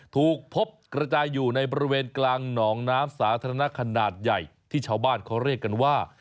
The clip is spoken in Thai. ถูกพบกระจายอยู่ในบริเวณกลางหนองน้ำสาธารณะขนาดใหญ่ที่ชาวบ้านเขาเรียกกันว่า